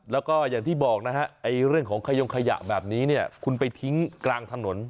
แล้วก็อย่างที่บอกนะฮะเรื่องของขยงขยะแบบนี้เนี่ยคุณไปทิ้งกลางถนน